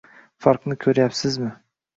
Farqni ko‘ryapsizmi?